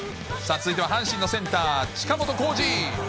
続いては阪神のセンター、近本光司。